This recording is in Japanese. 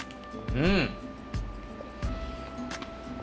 うん！